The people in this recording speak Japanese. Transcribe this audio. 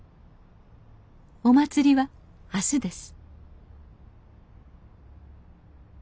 お祭りは明日です